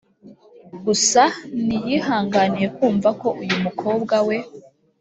gusa ntiyihanganiye kumva ko uyu mukobwa we